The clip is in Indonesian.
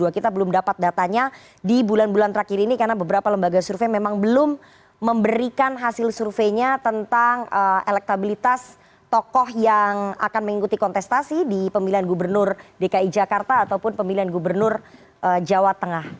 kita belum dapat datanya di bulan bulan terakhir ini karena beberapa lembaga survei memang belum memberikan hasil surveinya tentang elektabilitas tokoh yang akan mengikuti kontestasi di pemilihan gubernur dki jakarta ataupun pemilihan gubernur jawa tengah